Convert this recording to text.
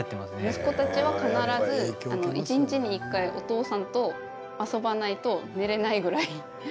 息子たちは必ず一日に１回お父さんと遊ばないと寝れないぐらい。